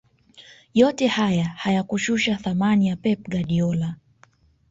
yote haya hayakushusha thamani ya pep guardiola